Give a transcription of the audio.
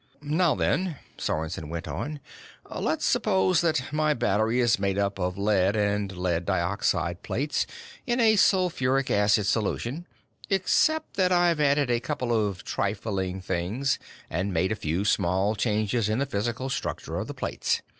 "Now then," Sorensen went on, "let's suppose that my battery is made up of lead and lead dioxide plates in a sulfuric acid solution, except that I've added a couple of trifling things and made a few small changes in the physical structure of the plates.